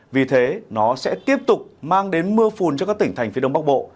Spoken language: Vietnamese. vì thế nó sẽ tiếp tục mang đến mưa phùn cho các tỉnh thành phía đông bắc bộ